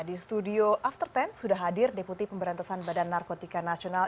di studio after sepuluh sudah hadir deputi pemberantasan badan narkotika nasional